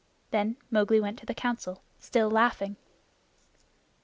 Then Mowgli went to the Council, still laughing.